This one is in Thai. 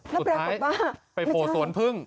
สุดท้ายไปโผล่สวนพึ่ง